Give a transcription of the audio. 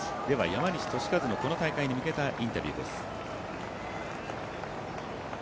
山西利和のこの大会に向けたインタビューです。